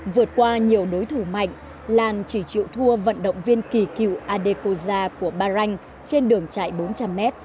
vượt qua nhiều đối thủ mạnh lan chỉ chịu thua vận động viên kỳ cựu adekoza của bahrain trên đường chạy bốn trăm linh m